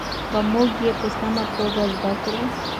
که موږ یې په سمه توګه زده کړو.